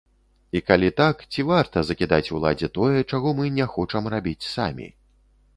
І калі так, ці варта закідаць уладзе тое, чаго мы не хочам рабіць самі?